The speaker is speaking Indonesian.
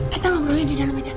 kita ngobrolin di dalam bidang